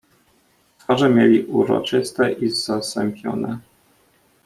"Twarze mieli uroczyste i zasępione."